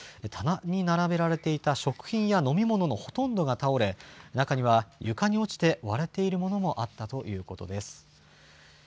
棚に並べられていた食品や飲み物のほとんどが倒れ、中には床に落ちて割れているものもあったということです。